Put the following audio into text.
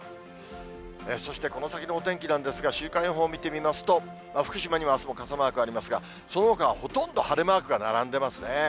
そして、この先のお天気なんですが、週間予報見てみますと、福島にはあすも傘マークありますが、そのほかはほとんど晴れマークが並んでますね。